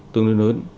tương đương lớn